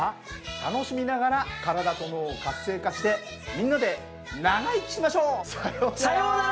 楽しみながら体と脳を活性化してみんなで長生きしましょう！さようなら。